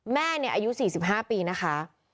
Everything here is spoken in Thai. แม่อายุ๔๕ปีนะคะ